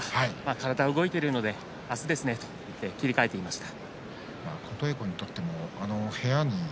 体は動いているので明日ですねと切り替えていました。